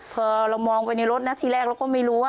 พอเรามองไปในรถนะทีแรกเราก็ไม่รู้ว่า